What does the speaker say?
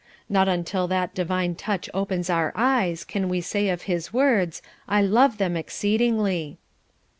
Not until that Divine touch opens our eyes can we say of his words, 'I love them exceedingly.'"